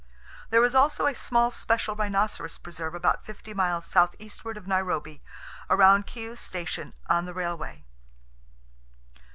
There is also a small special rhinoceros preserve about fifty miles southeastward of Nairobi, around Kiu station, on the railway.